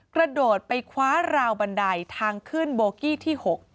กระโดดไปคว้าราวบันไดทางขึ้นโบกี้ที่๖